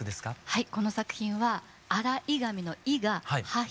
はい。